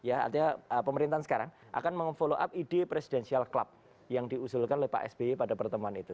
artinya pemerintahan sekarang akan memfollow up ide presidential club yang diusulkan oleh pak sby pada pertemuan itu